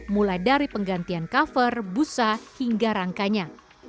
mulai dari penggantian cover busa hingga rangkanya